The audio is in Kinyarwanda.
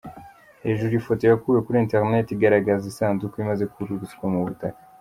Hejuru: Ifoto yakuwe kuri internet igaragaza isanduku imaze kururutswa mu butaka.